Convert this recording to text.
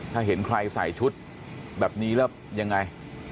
ถ้าเห็นใครใส่ชุดแบบนี้แล้วยังไง